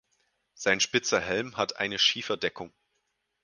Sein spitzer Helm hat eine Schieferdeckung.